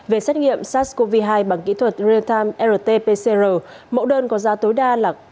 về xét nghiệm sars cov hai bằng kỹ thuật real time rt pcr mẫu đơn có giá tối đa là